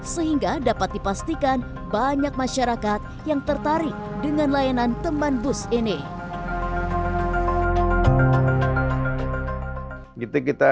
sehingga dapat dipastikan banyak masyarakat yang tertarik dengan layanan teman bus ini